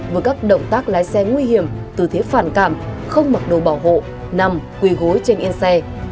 với các động tác lái xe nguy hiểm tư thế phản cảm không mặc đồ bảo hộ nằm quỳ gối trên yên xe